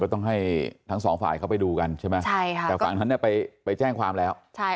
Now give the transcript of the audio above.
ต้องให้ทั้งสองฝ่ายเขาไปดูกันใช่ไหมใช่ค่ะแต่ฝั่งนั้นเนี่ยไปแจ้งความแล้ว